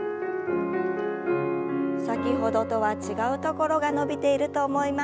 先ほどとは違うところが伸びていると思います。